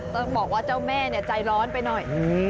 ต้องบอกว่าเจ้าแม่ใจร้อนไปหน่อย